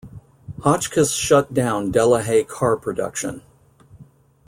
Hotchkiss shut down Delahaye car production.